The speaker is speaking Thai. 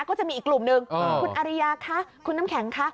ก็จะมีอีกกลุ่มหนึ่งคุณอาริยาคะคุณน้ำแข็งคะ